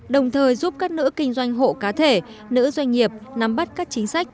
đồng thời giúp các nữ kinh doanh hộ cá thể nữ doanh nghiệp nắm bắt các chính sách